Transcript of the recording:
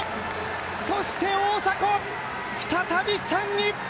そして大迫、再び３位。